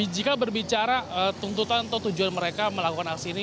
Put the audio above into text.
jika berbicara tuntutan atau tujuan mereka melakukan aksi ini